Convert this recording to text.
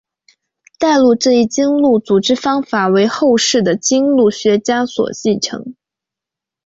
代录这一经录组织方法为后世的经录学家所继承。